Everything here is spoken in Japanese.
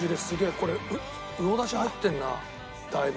これ魚出汁入ってるなだいぶ。